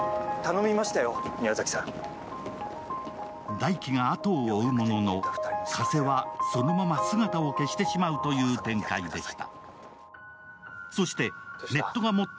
大輝があとを追うものの、加瀬はそのまま姿を消してしまうという展開でした。